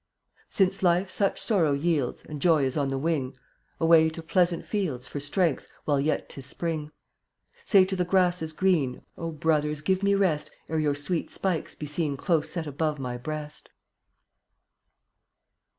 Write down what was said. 57 Since life such sorrow yields (fttttAt* And joy is on the wing, wJFlW Away to pleasant fields QhW' For strength, while yet 'tis spring; gun* Say to the grasses green: OUIUJ Brothers! give me rest Ere your sweet spikes be seen Close set above my breast.